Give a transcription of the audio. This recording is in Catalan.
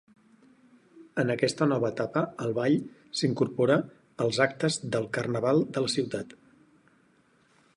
En aquesta nova etapa el Ball s’incorpora als actes del Carnaval de la ciutat.